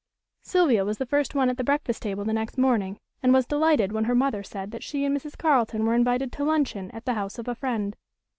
Sylvia was the first one at the breakfast table the next morning, and was delighted when her mother said that she and Mrs. Carleton were invited to luncheon at the house of a friend.